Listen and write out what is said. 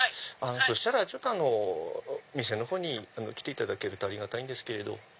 そしたら店の方に来ていただけるとありがたいんですけれど。